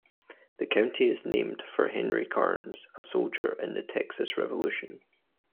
The county is named for Henry Karnes, a soldier in the Texas Revolution.